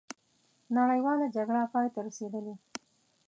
نړیواله جګړه پای ته رسېدلې.